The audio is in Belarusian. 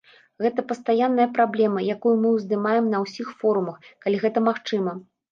Гэта пастаянная праблема, якую мы ўздымаем на ўсіх форумах, калі гэта магчыма.